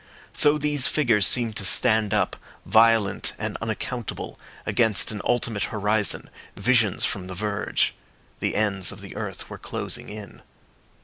So these figures seemed to stand up, violent and unaccountable, against an ultimate horizon, visions from the verge. The ends of the earth were closing in.